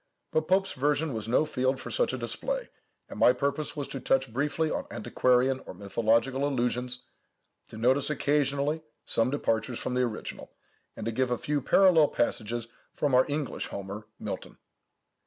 But Pope's version was no field for such a display; and my purpose was to touch briefly on antiquarian or mythological allusions, to notice occasionally some departures from the original, and to give a few parallel passages from our English Homer, Milton.